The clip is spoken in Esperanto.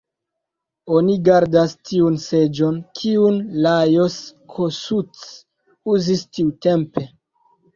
Oni gardas tiun seĝon, kiun Lajos Kossuth uzis tiutempe.